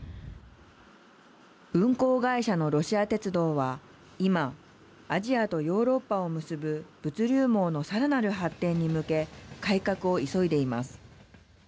運行会社のロシア鉄道は今、アジアとヨーロッパを結ぶ物流網のさらなる発展に向け改革を急いでいます。